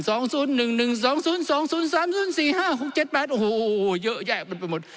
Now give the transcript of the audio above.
๐๓๐๔๕๖๗๘โอ้โหโหโหเยอะแยะมันไปหมด